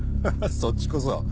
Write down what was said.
そっちこそ。